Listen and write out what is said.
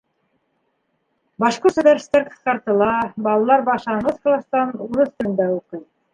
Башҡортса дәрестәр ҡыҫҡартыла, балалар башланғыс кластан урыҫ телендә уҡый.